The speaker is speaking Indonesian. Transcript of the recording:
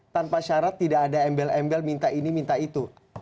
tanpa syarat tidak ada embel embel minta ini minta itu